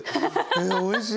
えおいしい。